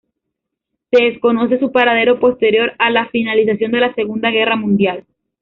Se desconoce su paradero posterior a la finalización de la Segunda Guerra Mundial.